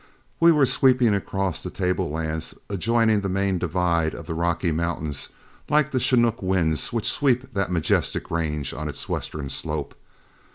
We were sweeping across the tablelands adjoining the main divide of the Rocky Mountains like the chinook winds which sweep that majestic range on its western slope.